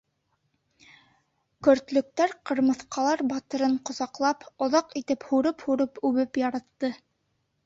Көртлөктәр ҡырмыҫҡалар батырын ҡосаҡлап, оҙаҡ итеп һурып-һурып үбеп яратты.